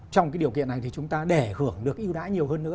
trong cái điều kiện này thì chúng ta để hưởng được yêu đáy nhiều hơn nữa